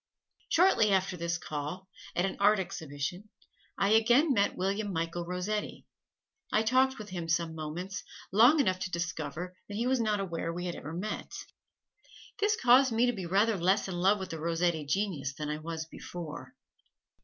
Shortly after this call, at an Art Exhibition, I again met William Michael Rossetti. I talked with him some moments long enough to discover that he was not aware we had ever met. This caused me to be rather less in love with the Rossetti genius than I was before.